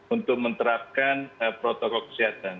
untuk menerapkan protokol kesehatan